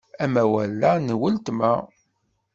Amawal-a n weltma.